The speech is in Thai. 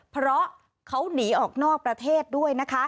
เพราะเขาหนีออกนอกประเทศด้วยนะคะ